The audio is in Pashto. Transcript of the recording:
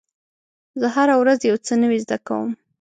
زه هره ورځ یو څه نوی زده کوم.